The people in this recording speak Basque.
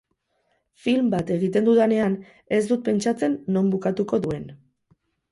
Film bat egiten dudanean, ez dut pentsatzen non bukatuko duen.